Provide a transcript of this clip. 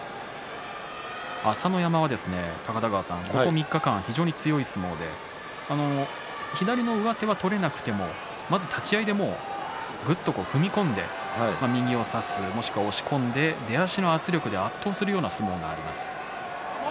朝乃山はここ３日間、非常に強い相撲で左の上手を取れなくてもまず立ち合いでぐっと踏み込んで右を差す、もしくは押し込んで出足の圧力で圧倒するような相撲があります。